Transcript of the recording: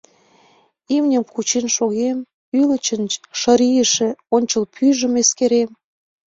Имньым кучен шогем, ӱлычын шырийыше ончыл пӱйжым эскерем.